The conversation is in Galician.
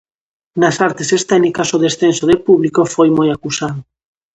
Nas artes escénicas o descenso de público foi moi acusado.